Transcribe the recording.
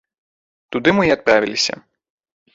Туды мы і адправіліся.